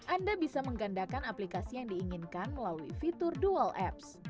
anda bisa menggandakan aplikasi yang diinginkan melalui fitur dual apps